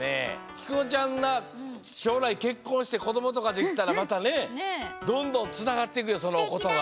きくのちゃんがしょうらいけっこんしてこどもとかできたらまたねどんどんつながっていくよそのことが。